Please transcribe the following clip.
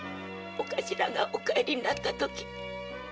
お頭がお帰りになったときに。